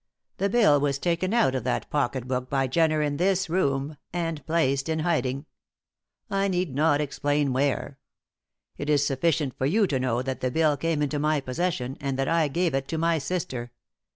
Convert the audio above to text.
The bill was taken out of that pocket book by Jenner in this room, and placed in hiding. I need not explain where. It is sufficient for you to know that the bill came into my possession, and that I gave it to my sister.